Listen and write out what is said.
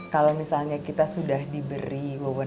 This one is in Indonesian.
kalau misalnya kita sudah diberi wawonan